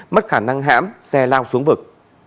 mất khả năng hãm xe lao xuống vực